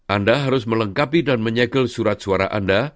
anda harus melengkapi dan menyegel surat suara anda